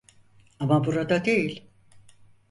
Ama burada değil.